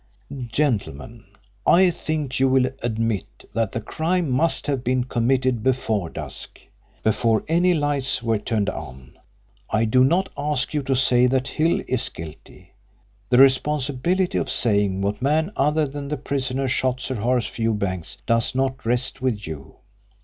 "Gentlemen, I think you will admit that the crime must have been committed before dusk; before any lights were turned on. I do not ask you to say that Hill is guilty. The responsibility of saying what man other than the prisoner shot Sir Horace Fewbanks does not rest with you.